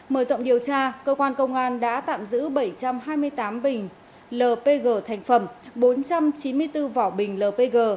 mở rộng điều tra cơ quan công an đã tạm giữ bảy trăm hai mươi tám bình lpg thành phẩm bốn trăm chín mươi bốn vỏ bình lpg